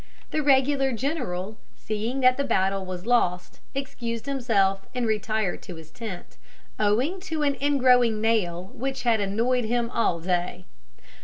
The regular general, seeing that the battle was lost, excused himself and retired to his tent, owing to an ingrowing nail which had annoyed him all day.